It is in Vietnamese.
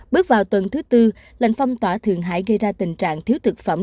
bước vào tuần thứ tư lệnh phong tỏa thượng hải gây ra tình trạng thiếu thực phẩm